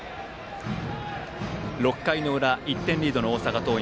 ６回の裏、１点リードの大阪桐蔭。